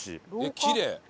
きれい！